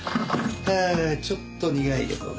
はぁちょっと苦いけどね。